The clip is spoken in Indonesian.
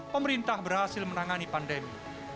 pemerintah berhasil menangani pandemi